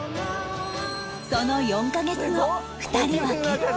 その４カ月後２人は結婚